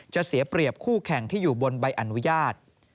จะเสียเปรียบคู่แข่งที่อยู่บนใบอนุญาต